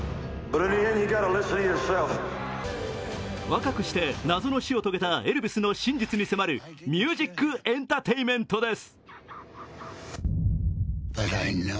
若くして謎の死を遂げたエルヴィスの真実に迫るミュージック・エンターテインメントです。